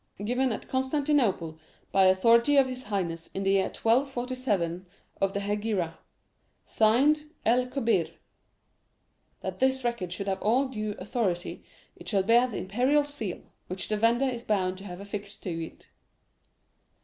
"'Given at Constantinople, by authority of his highness, in the year 1247 of the Hegira. "'Signed, El Kobbir.' "'That this record should have all due authority, it shall bear the imperial seal, which the vendor is bound to have affixed to it.